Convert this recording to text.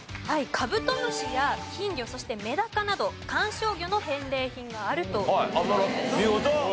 カブトムシや金魚そしてメダカなど観賞魚の返礼品があるという事です。